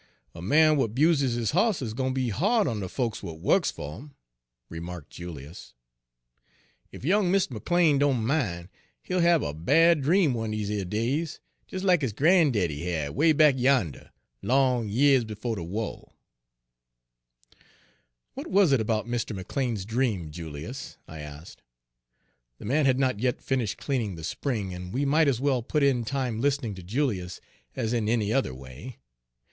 "A man w'at 'buses his hoss is gwine ter be ha'd on de folks w'at wuks fer 'im," remarked Julius. "Ef young Mistah McLean doan min', he'll hab a bad dream one er dese days, des lack 'is grandaddy had way back yander, long yeahs befo' de wah." "What was it about Mr. McLean's dream, Julius?" I asked. The man had not yet finished cleaning the spring, and we might as well put in time listening to Julius as in any other way.